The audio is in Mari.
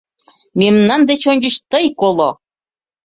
Мемнан деч ончыч тый коло!